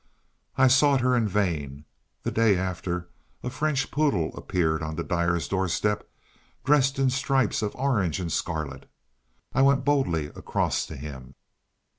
I sought her in vain. The day after, a French poodle appeared on the dyer's doorstep, dressed in stripes of orange and scarlet. I went boldly across to him.